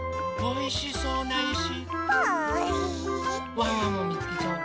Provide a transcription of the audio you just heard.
ワンワンもみつけちゃおう。